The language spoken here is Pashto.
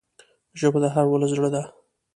ژبه د هر ولس زړه ده